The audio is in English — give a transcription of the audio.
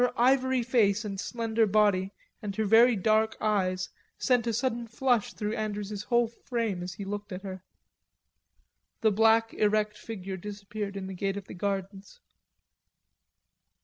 Her ivory face and slender body and her very dark eyes sent a sudden flush through Andrews's whole frame as he looked at her. The black erect figure disappeared in the gate of the gardens.